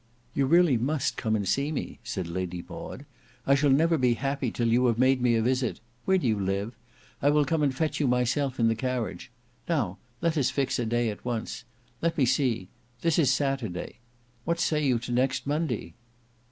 "You really must come and see me," said Lady Maud, "I shall never be happy till you have made me a visit. Where do you live? I will come and fetch you myself in the carriage. Now let us fix a day at once. Let me see; this is Saturday. What say you to next Monday?"